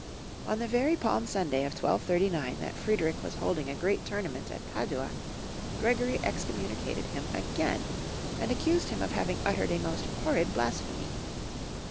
On the very Palm Sunday of 1239 that Friedrich was holding a great tournament at Padua, Gregory excommunicated him again, and accused him of having uttered a most horrid blasphemy.